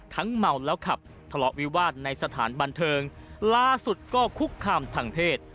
เมาแล้วขับทะเลาะวิวาสในสถานบันเทิงล่าสุดก็คุกคามทางเพศ